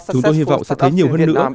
chúng tôi hy vọng sẽ thấy nhiều hơn nữa